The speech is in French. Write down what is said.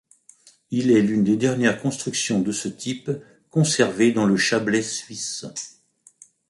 Il est l’une des dernières constructions de ce type conservées dans le Chablais suisse.